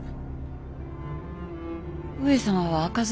上様は赤面